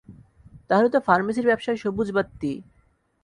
তাহলে তো ফার্মেসীর ব্যাবসায় সবুজ বাত্তি।